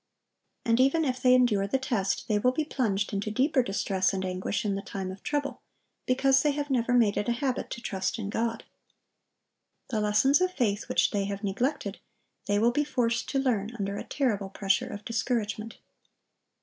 And even if they endure the test, they will be plunged into deeper distress and anguish in the time of trouble, because they have never made it a habit to trust in God. The lessons of faith which they have neglected, they will be forced to learn under a terrible pressure of discouragement.